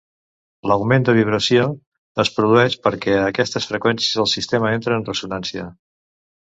L'augment de vibració es produeix perquè a aquestes freqüències el sistema entra en ressonància.